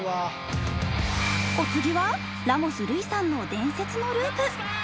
お次はラモス瑠偉さんの伝説のループ。